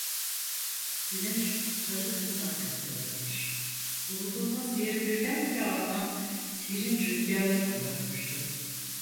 Güneş Sarıkız'ın arkasına girmiş, bulunduğumuz yeri birdenbire artan serin rüzgarlara bırakmıştı.